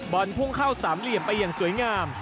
พุ่งเข้าสามเหลี่ยมไปอย่างสวยงาม